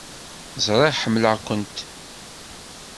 Ẓriɣ ḥemmleɣ-kent.